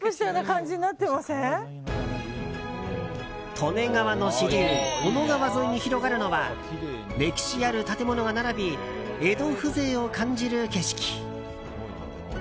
利根川の支流小野川沿いに広がるのは歴史ある建物が並び江戸風情を感じる景色。